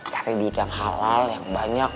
cari duit yang halal yang banyak